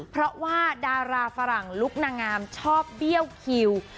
เพราะว่าดาราฝรั่งลุคนางามชอบเบี้ยวคิว